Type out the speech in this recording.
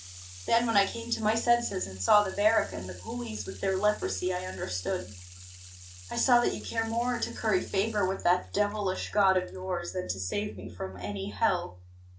"Then, when I came to my senses, and saw the barrack and the coolies with their leprosy, I understood. I saw that you care more to curry favour with that devilish God of yours than to save me from any hell.